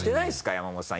山本さん。